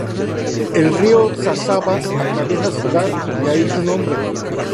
El río Sázava atraviesa Žďár, de ahí su nombre.